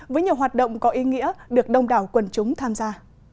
với nhiều hoạt động có ý nghĩa được đông đảo quần chúng tham gia